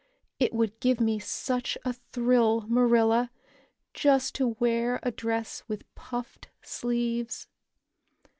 It would give me such a thrill, Marilla, just to wear a dress with puffed sleeves."